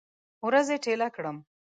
ورځې ټیله کړم